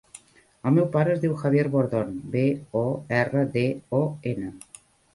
El meu pare es diu Javier Bordon: be, o, erra, de, o, ena.